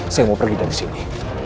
saya mau pergi dari sini